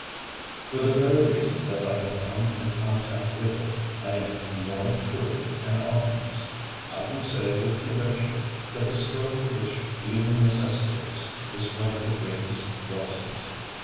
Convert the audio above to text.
For the very reason that I have come in contact with it, I am more truly an optimist. I can say with conviction that the struggle which evil necessitates is one of the greatest blessings.